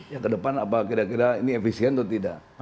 yang ke depan kira kira ini efisien atau tidak